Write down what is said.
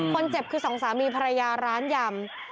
คนเจ็บคือสองสามีภรรยาร้านยำ